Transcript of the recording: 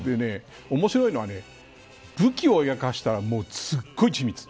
面白いのは武器を描かせたらすごい緻密。